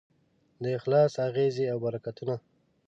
د اخلاص اغېزې او برکتونه